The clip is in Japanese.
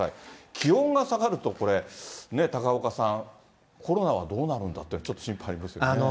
気温が下がると、これ、高岡さん、コロナはどうなるんだって、ちょっと心配ですよね。